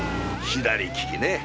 左利きねぇ。